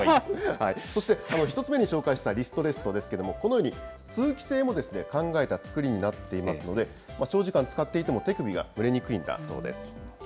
そして、１つ目に紹介したリストレストですけれども、このように通気性も考えた作りになっていますので、長時間使っていても手首が蒸れにくいんだそうです。